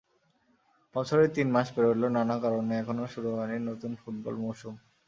বছরের তিন মাস পেরোলেও নানা কারণে এখনো শুরু হয়নি নতুন ফুটবল মৌসুম।